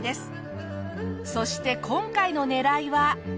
そして今回の狙いは。